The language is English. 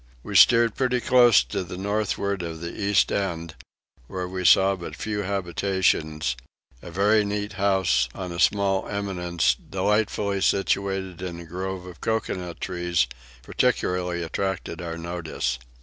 We steered pretty close in to the northward of the east end, where we saw but few habitations: a very neat house on a small eminence, delightfully situated in a grove of coconut trees, particularly attracted our notice.